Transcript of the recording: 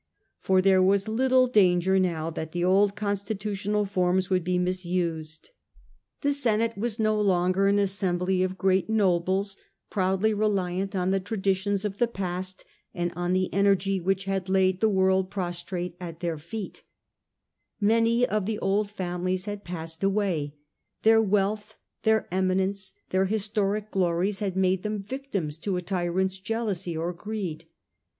For there was little danger now that the old constitutional forms should be misused. lO The Age of the Antonines, a.d. The senate was no longer an assembly of great nobles, proudly reliant on the traditions of the past, and on the energy which had laid the world prostrate at their feet Many of the old families had passed away ; their wealth, their eminence, their historic glories had made them victims to a tyrant^s jealousy or greed.